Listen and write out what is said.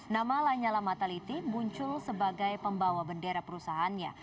nama lanyala mataliti muncul sebagai pembawa bendera perusahaannya